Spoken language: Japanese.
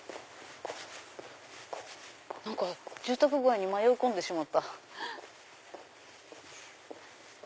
何か住宅街に迷い込んでしまった。